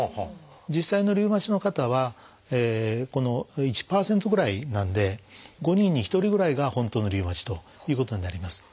実際のリウマチの方は１％ぐらいなんで５人に１人ぐらいが本当のリウマチということになります。